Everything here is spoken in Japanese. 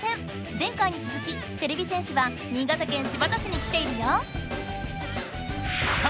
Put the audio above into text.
前回に続きてれび戦士は新潟県新発田市に来ているよ！